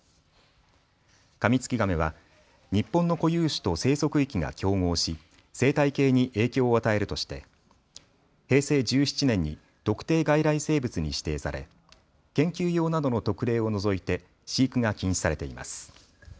カミツキガメは日本の固有種と生息域が競合し生態系に影響を与えるとして平成１７年に特定外来生物に指定され研究用などの特例を除いて飼育が禁止されています。